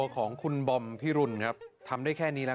ขอมภพกลับบ้านหนูได้เลย